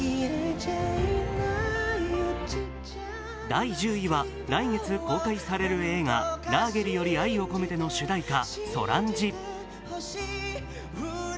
第１０位は来月公開される映画「ラーゲリより愛を込めて」の主題歌、「Ｓｏｒａｎｊｉ」。